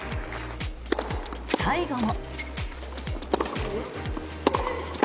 最後も。